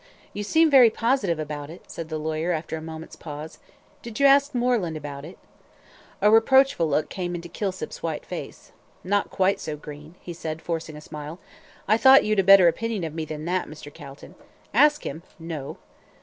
"You seem very positive about it," said the lawyer, after a moment's pause. "Did you ask Moreland about it?" A reproachful look came into Kilsip's white face. "Not quite so green," he said, forcing a smile. "I thought you'd a better opinion of me than that, Mr. Calton. Ask him? no."